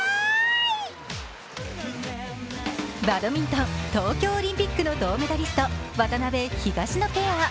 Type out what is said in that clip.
バドミントン東京オリンピックの銅メダリスト渡辺・東野ペア。